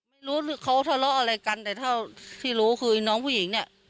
ไม่รู้เขาทะเลาะอะไรกันแต่เท่าที่รู้คือน้องผู้หญิงเนี่ย